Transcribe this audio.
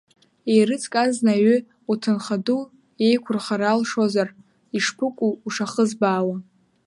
Еирыӡк азна аҩы, уҭынхаду иеиқәырхара алшозар, ишԥыкәу ушахызбаауа!